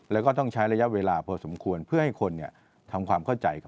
แล้วก็ต้องใช้ระยะเวลาพอสมควรเพื่อให้คนทำความเข้าใจกัน